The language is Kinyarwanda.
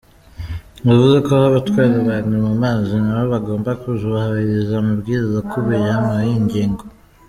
Yavuzeko ko abatwara abantu mu mazi nabo bagomba kuzubahiriza amabwiriza akubiye mu iyi nyigo.